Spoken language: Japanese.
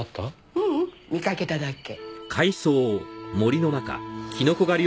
ううん見かけただけ。